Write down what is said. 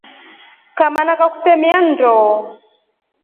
Kamana kakutemia nndo.